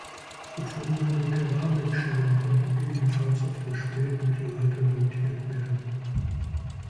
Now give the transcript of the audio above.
Gefundene Keramikscherben konnten ebenfalls auf das Spätmittelalter datiert werden.